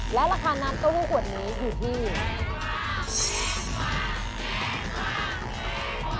และราคาน้ำเต้าหู้ขวดนี้อยู่ที่